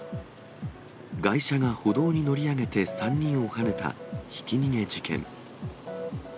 外車が歩道に乗り上げて３人をはねたひき逃げ事件。